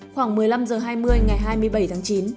khoảng một mươi năm h hai mươi ngày hai mươi bảy tháng chín